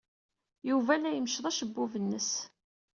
Yuba la imecceḍ acebbub-nnes.